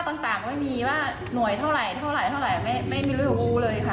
ค่าต่างไม่มีว่าหน่วยเท่าไหร่ไม่มีเรื่องรู้เลยค่ะ